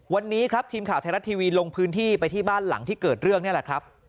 วันนี้ครับทีมข่าวไทยรัฐทีวีลงพื้นที่ไปที่บ้านหลังที่เกิดเรื่องนี่แหละครับ